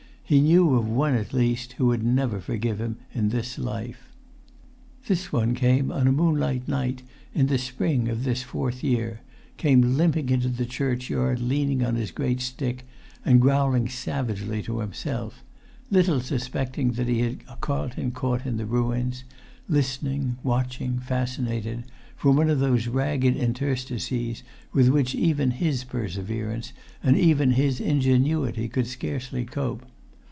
He knew of one at least who would never forgive him in this life. This one came on a moonlight night in the spring of this fourth year; came limping into the churchyard, leaning on his great stick, and growling savagely to himself; little suspecting that he had Carlton caught in the ruins, listening, watching, fascinated,[Pg 240] from one of those ragged interstices with which even his perseverance and even his ingenuity could scarcely cope.